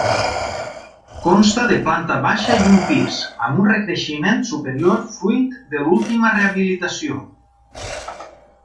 Consta de planta baixa i un pis, amb un recreixement superior fruit de l'última rehabilitació.